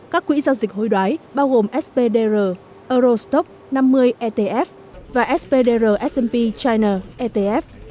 các quỹ giao dịch hối đoái bao gồm spdr eurostop năm mươi etf và spdr s p china etf